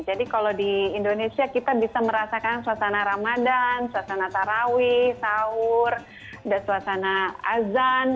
jadi kalau di indonesia kita bisa merasakan suasana ramadan suasana taraweh sahur dan suasana azan